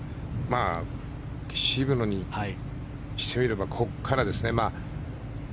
渋野にしてみればここからですね。